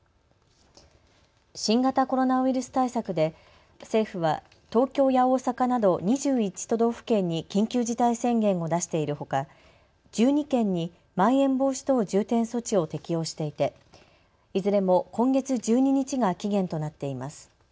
新型コロナウイルス対策で政府は東京や大阪など２１都道府県に緊急事態宣言を出しているほか１２県にまん延防止等重点措置を適用していていずれも今月１２日が期限となっています。